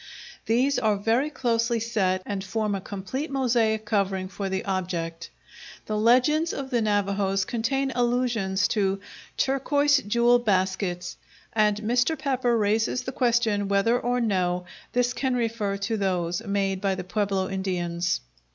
These are very closely set and form a complete mosaic covering for the object. The legends of the Navahos contain allusions to "turquoise jewel baskets," and Mr. Pepper raises the question whether or no this can refer to those made by the Pueblo Indians.